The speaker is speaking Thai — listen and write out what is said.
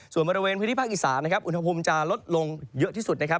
ส่วนบริเวณพื้นที่ภาคอีสานนะครับอุณหภูมิจะลดลงเยอะที่สุดนะครับ